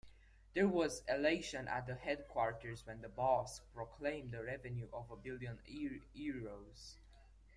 There was elation at the headquarters when the boss proclaimed the revenue of a billion euros.